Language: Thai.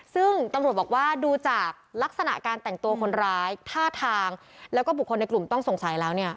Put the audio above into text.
ซึ่งตำรวจบอกว่าดูจากลักษณะการแต่งตัวคนร้ายท่าทางแล้วก็บุคคลในกลุ่มต้องสงสัยแล้วเนี่ย